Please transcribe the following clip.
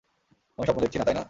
আমি স্বপ্ন দেখছি না, তাই না?